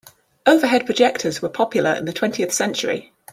Overhead projectors were popular in the twentieth century.